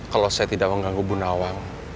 kalau saya tidak mengganggu ibu nawang